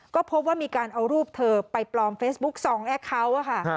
ก็พบว่ามีการเอารูปเธอไปปลอมเฟซบุ๊กซองแอคเคาน์ค่ะ